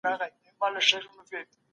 ټولنپوهنه یو ځوان علم دی.